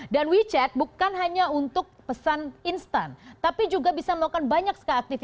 dan wechat bukan hanya untuk pesan instan tapi juga bisa melakukan banyak sekali